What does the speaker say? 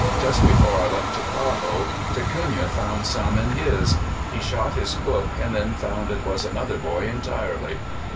Just before I left Ticao, Da Cunha found some in his. He shot his cook and then found it was another boy entirely."